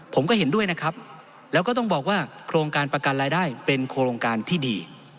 ผมก็เห็นด้วยนะครับแล้วก็ต้องบอกว่าโครงการประกันรายได้เป็นโครงการที่ดี